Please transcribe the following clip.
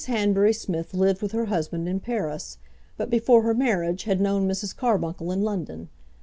Hanbury Smith lived with her husband in Paris, but before her marriage had known Mrs. Carbuncle in London.